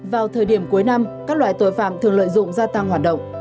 vào thời điểm cuối năm các loại tội phạm thường lợi dụng gia tăng hoạt động